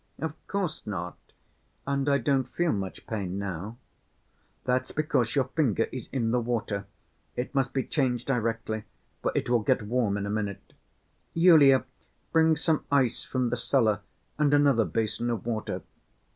"Of course not, and I don't feel much pain now." "That's because your finger is in the water. It must be changed directly, for it will get warm in a minute. Yulia, bring some ice from the cellar and another basin of water.